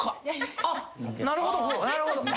なるほど。